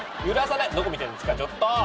揺らさないどこ見てるんですかちょっと！